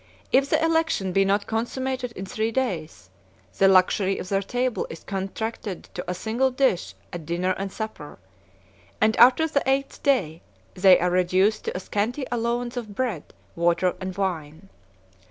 If the election be not consummated in three days, the luxury of their table is contracted to a single dish at dinner and supper; and after the eighth day, they are reduced to a scanty allowance of bread, water, and wine.